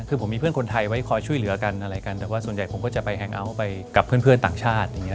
คือผมมีเพื่อนคนไทยไว้คอยช่วยเหลือกันอะไรกันแต่ว่าส่วนใหญ่ผมก็จะไปแฮงเอาท์ไปกับเพื่อนต่างชาติอย่างนี้